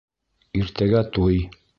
Иртәгә туй!